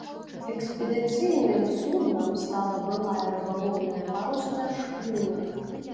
Экспедыцыйным суднам стала былая рыбалоўная парусная шхуна.